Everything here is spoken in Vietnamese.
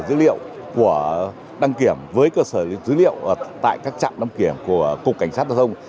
dữ liệu của đăng kiểm với cơ sở dữ liệu tại các trạm đăng kiểm của cục cảnh sát giao thông